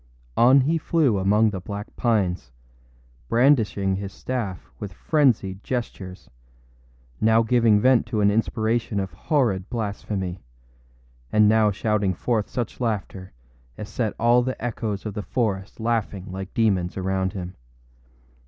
On he flew among the black pines, brandishing his staff with frenzied gestures, now giving vent to an inspiration of horrid blasphemy, and now shouting forth such laughter as set all the echoes of the forest laughing like demons around him.